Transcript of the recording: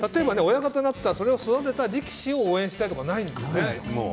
親方だったらそれを育てた力士を応援するということはないんですね。